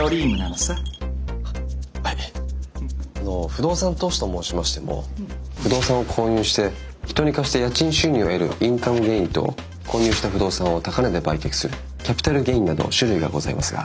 あの不動産投資と申しましても不動産を購入して人に貸して家賃収入を得るインカムゲインと購入した不動産を高値で売却するキャピタルゲインなど種類がございますが。